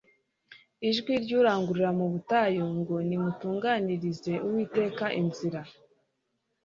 Ijwi ry'urangurura mu butayu ngo nimuturuganirize Uwiteka inzira!